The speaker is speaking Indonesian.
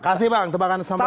kasih bang tebakan sambal